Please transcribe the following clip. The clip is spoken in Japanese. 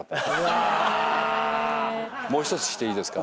もう１つしていいですか？